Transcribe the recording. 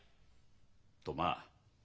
とまあ